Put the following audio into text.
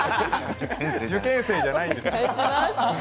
受験生じゃないんですよ。